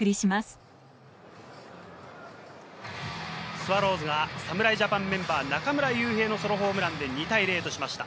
スワローズが侍ジャパンメンバー・中村悠平のソロホームランで２対０としました。